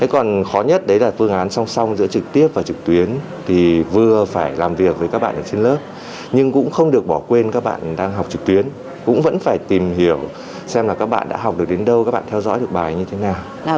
còn khó nhất đấy là phương án song song giữa trực tiếp và trực tuyến thì vừa phải làm việc với các bạn ở trên lớp nhưng cũng không được bỏ quên các bạn đang học trực tuyến cũng vẫn phải tìm hiểu xem là các bạn đã học được đến đâu các bạn theo dõi được bài như thế nào